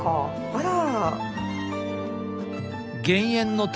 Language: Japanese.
あら？